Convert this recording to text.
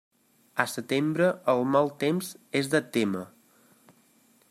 A setembre, el mal temps és de témer.